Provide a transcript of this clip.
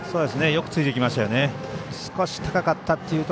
よくついてきましたね。